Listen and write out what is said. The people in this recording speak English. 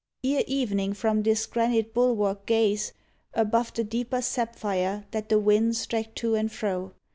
Ere evening from this granite bulwark gaze. Above the deeper sapphire that the winds Drag to and fro.